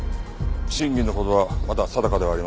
真偽のほどはまだ定かではありませんが。